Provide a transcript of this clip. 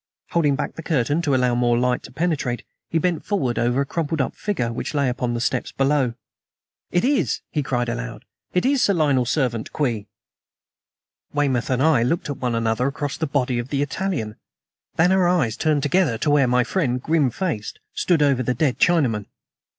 Holding back the curtain to allow more light to penetrate, he bent forward over a crumpled up figure which lay upon the steps below. "It is!" he cried aloud. "It is Sir Lionel's servant, Kwee." Weymouth and I looked at one another across the body of the Italian; then our eyes turned together to where my friend, grim faced, stood over the dead Chinaman.